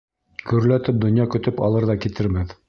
Гөрләтеп донъя көтөп алыр ҙа китербеҙ.